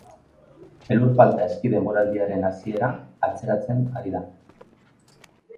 Elur falta eski denboraldiaren hasiera atzeratzen ari da.